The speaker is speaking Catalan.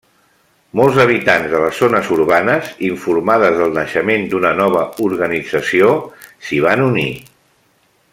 Molts habitants de les zones urbanes, informades del naixement d'una nova organització, s'hi van unir.